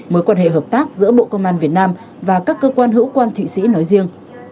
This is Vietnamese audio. mối quan hệ hợp tác giữa bộ công an việt nam và các cơ quan hữu quan thụy sĩ nói riêng